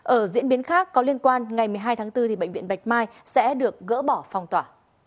ở diễn biến khác có liên quan ngày một mươi hai tháng bốn bệnh viện bạch mai sẽ được gỡ bỏ phong tỏa